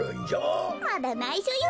まだないしょよ。